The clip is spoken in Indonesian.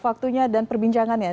waktunya dan perbincangannya